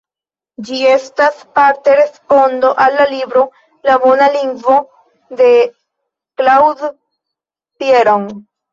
Ĝi estas parte respondo al la libro "La Bona Lingvo", de Claude Piron.